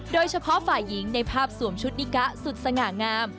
โดยเฉพาะฝ่ายหญิงในภาพสวมชุดนิกะสุดสง่างาม